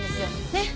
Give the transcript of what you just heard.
ねっ！